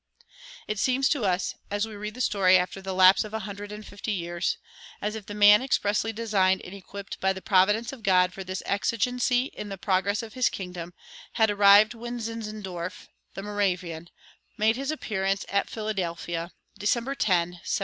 It seems to us, as we read the story after the lapse of a hundred and fifty years, as if the man expressly designed and equipped by the providence of God for this exigency in the progress of his kingdom had arrived when Zinzendorf, the Moravian, made his appearance at Philadelphia, December 10, 1741.